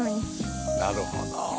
なるほど。